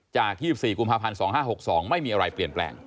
๒๔กุมภาพันธ์๒๕๖๒ไม่มีอะไรเปลี่ยนแปลง